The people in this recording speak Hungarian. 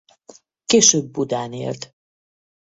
Később Budán élt.